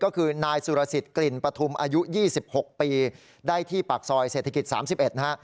ก็คือนายสุรสิทธิ์กลิ่นปฐุมอายุ๒๖ปีได้ที่ปากซอยเศรษฐกิจ๓๑นะฮะ